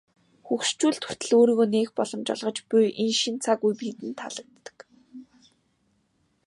Хөгшчүүлд хүртэл өөрийгөө нээх боломж олгож буй энэ шинэ цаг үе тэдэнд таалагддаг.